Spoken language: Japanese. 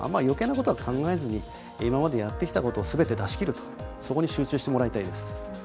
よけいなことは考えずに、今までやってきたことをすべて出しきるそこに集中してもらいたいです。